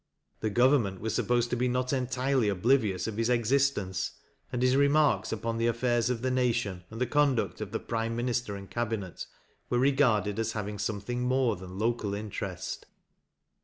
The Government was supposed to be not entirely oblivious of his existence, and his remarks upon the affairs of the nation, and the conduct of the Prime Minister and Cabinet, were regarded as hiving something more than local interest.